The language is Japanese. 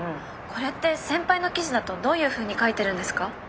これって先輩の記事だとどういうふうに書いてるんですか？